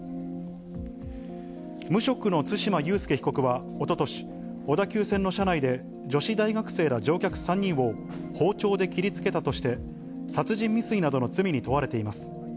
無職の対馬悠介被告はおととし、小田急線の車内で女子大学生ら乗客３人を包丁で切りつけたとして、殺人未遂などの罪に問われています。